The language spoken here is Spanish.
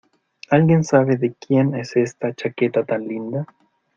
¿Alguien sabe de quién es esta chaqueta tan linda?